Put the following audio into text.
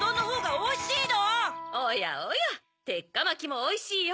おやおやてっかまきもおいしいよ。